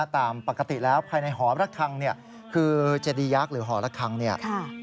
ตามปกติแล้วภายในหอประคังเนี่ยคือเจดียักษ์หรือหอระคังเนี่ย